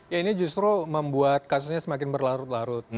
ya ini justru membuat kasusnya semakin berlarut larut